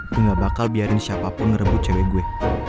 gue ga bakal biarin siapapun ngerebut cewe gue